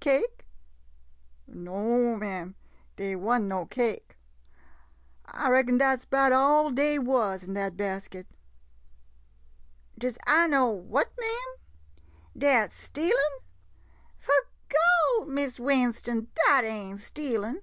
Cake ?— no 'm, dey wa'n't no cake. I reckon dat 's 'bout all dey wuz in dat basket. Does I know what, ma'am? Dat stealin'? 'Fo' Gawd — Miss Winston — dat ain't stealin'.